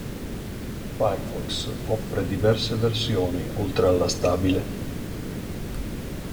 Firefox offre diverse versioni oltre alla stabile.